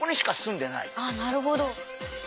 あなるほど。